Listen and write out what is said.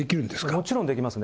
もちろんできますね。